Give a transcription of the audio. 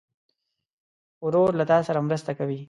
ورور له تا سره مرسته کوي.